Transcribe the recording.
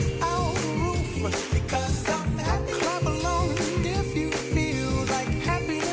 สวัสดีครับทุกคน